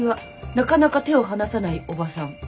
なかなか手を離さないおばさん。